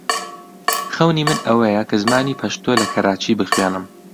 خەونی من ئەوەیە کە زمانی پەشتۆ لە کەراچی بخوێنم.